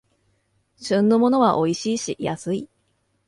旬のものはおいしいし安い